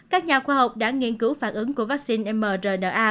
các nhà khoa học đã nghiên cứu phản ứng của vaccine mrna